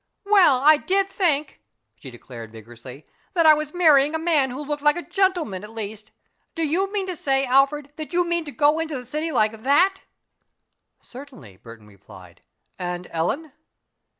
"Well, I did think," she declared, vigorously, "that I was marrying a man who looked like a gentleman, at least! Do you mean to say, Alfred, that you mean to go into the city like that?" "Certainly," Burton replied. "And Ellen!"